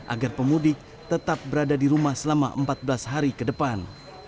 agar pemudik tetap berada di rumah selama empat belas hari ke depan